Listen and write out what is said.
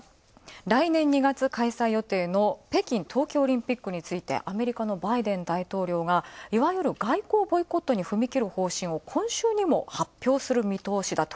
来年２月開催予定の北京冬季オリンピックについてアメリカのバイデン大統領が、いわゆる外交ボイコットにふみきることを今週にも発表する見通しだと。